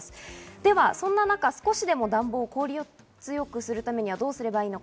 ではそんな中、少しでも暖房を効率よくするためにはどうすればいいのか？